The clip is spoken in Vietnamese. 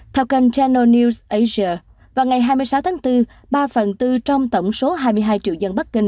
theo kênh chano news asia vào ngày hai mươi sáu tháng bốn ba phần tư trong tổng số hai mươi hai triệu dân bắc kinh